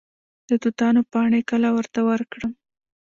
د توتانو پاڼې کله ورته ورکړم؟